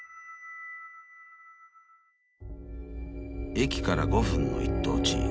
［駅から５分の一等地］